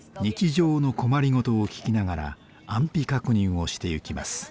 日常の困り事を聞きながら安否確認をしていきます。